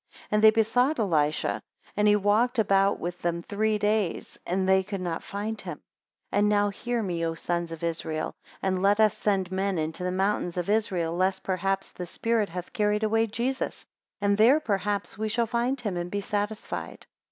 And they besought Elisha, and he walked about with them three days, and they could not find him. 4 And now hear me, O sons of Israel, and let us send men into the mountains of Israel, lest perhaps the spirit hath carried away Jesus, and there perhaps we shall find him, and be satisfied.